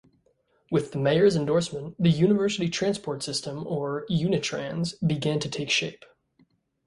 With the mayor's endorsement, the University Transport System, or Unitrans, began to take shape.